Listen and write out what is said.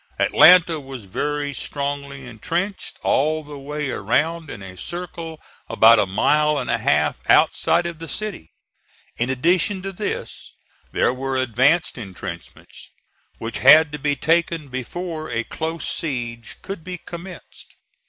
Atlanta was very strongly intrenched all the way around in a circle about a mile and a half outside of the city. In addition to this, there were advanced intrenchments which had to be taken before a close siege could be commenced.